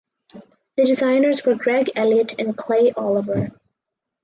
The designers were Greg Elliott and Clay Oliver.